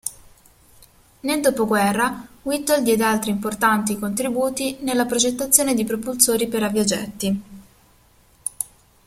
Nel dopoguerra Whittle diede altri importanti contributi nella progettazione di propulsori per aviogetti.